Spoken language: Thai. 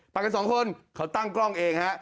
ไปกันสองคนเขาตั้งกล้องเองฮะ